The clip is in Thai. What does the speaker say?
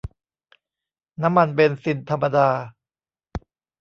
น้ำมันเบนซินธรรมดา